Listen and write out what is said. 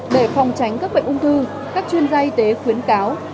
để phòng tránh các bệnh ung thư các chuyên gia y tế khuyến cáo